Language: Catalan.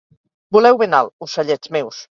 Voleu ben alt, ocellets meus.